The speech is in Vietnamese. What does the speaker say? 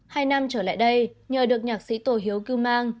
hai năm trở lại đây nhờ được nhạc sĩ tổ hiếu cưu mang